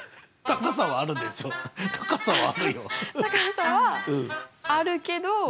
高さはあるけど。